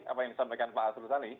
apa yang disampaikan pak arsul tadi